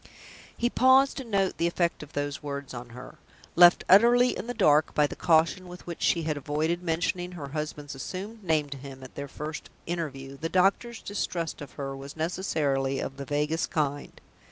He paused to note the effect of those words on her. Left utterly in the dark by the caution with which she had avoided mentioning her husband's assumed name to him at their first interview, the doctor's distrust of her was necessarily of the vaguest kind.